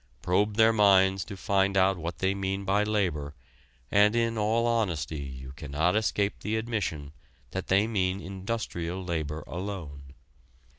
Probe their minds to find out what they mean by labor and in all honesty you cannot escape the admission that they mean industrial labor alone.